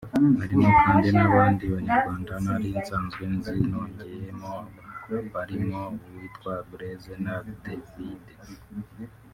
Harimo kandi n’abandi Banyarwanda nari nzanzwe nzi nongeyemo barimo uwitwa Brezze na Devid